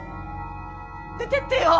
出てってよ